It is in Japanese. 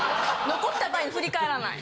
残った場合振り返らない。